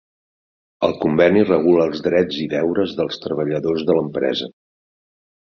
El Conveni regula els drets i deures dels treballadors de l'empresa.